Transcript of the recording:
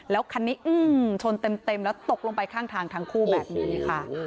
แล้วคันนี้ชนเต็มแล้วตกลงไปข้างทางทั้งคู่แบบนี้ค่ะ